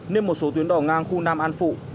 nên một số tuyến đỏ ngang khu nam an phụ